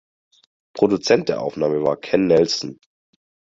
Produzent der Aufnahme war Ken Nelson.